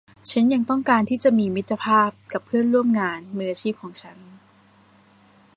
ฉันยังต้องการที่จะมีมิตรภาพกับเพื่อนร่วมงานมืออาชีพของฉัน